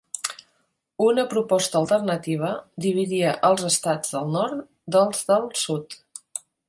Una proposta alternativa dividia els estats del nord dels del sud.